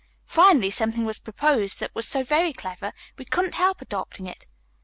Finally something was proposed that was so very clever we couldn't help adopting it.